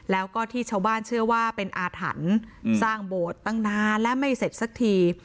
แล้วก็ที่ชาวบ้านเชื่อว่าเป็นอาถรรพ์สร้างโบสถ์ตั้งนานและไม่เสร็จสักที